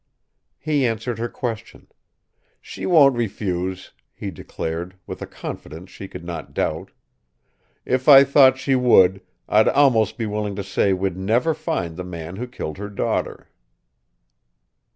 He answered her question. "She won't refuse," he declared, with a confidence she could not doubt. "If I thought she would, I'd almost be willing to say we'd never find the man who killed her daughter."